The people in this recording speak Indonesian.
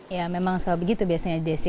ya memang kalau begitu biasanya desi